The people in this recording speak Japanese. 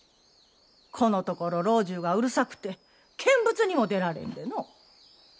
このところ老中がうるさくて見物にも出られぬでの。